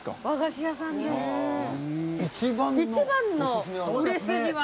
「和菓子屋さんです」